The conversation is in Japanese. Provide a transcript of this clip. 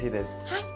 はい。